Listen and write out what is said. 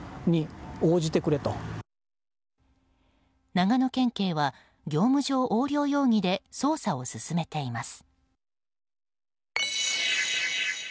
長野県警は業務上横領容疑で捜査を進めています。